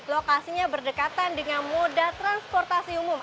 lokasinya berdekatan dengan moda transportasi umum